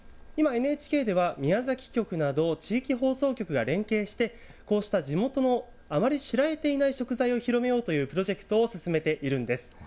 今、ＮＨＫでは宮崎局など地域放送局が連携して、こうした地元のあまり知られていない食材を広めようというプロジェクトを進めているんです。